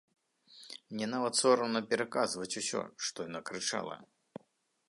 Мне нават сорамна пераказваць усё, што яна крычала.